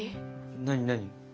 何何？